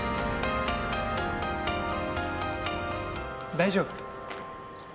大丈夫。